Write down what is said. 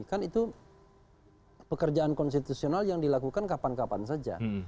kan itu pekerjaan konstitusional yang dilakukan kapan kapan saja